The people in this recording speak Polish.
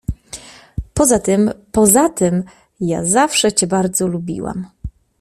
Poza tym… poza tym… ja zawsze cię bardzo lubiłam.